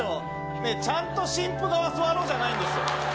ねぇ、ちゃんと新婦側座ろうじゃないんですよ。